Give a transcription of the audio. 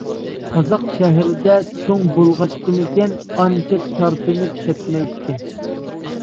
قازاق شەھىرىدە چوڭ بولغاچقىمىكىن، ئانچە تارتىنىپ كەتمەيتتى.